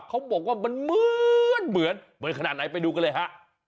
เขาบอกว่ามันเหมือนเหมือนขนาดไหนไปดูกันเลยฮะ